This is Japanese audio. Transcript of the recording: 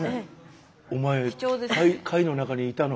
お前貝の中にいたの？